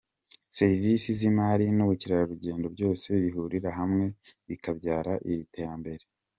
Serivisi z’imari n’ubukerarugendo byose bihurira hamwe bikabyara iri terambere.